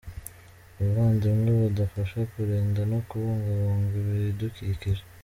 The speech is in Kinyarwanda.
Ubuvandimwe budufasha kurinda no kubungabunga ibidukikije .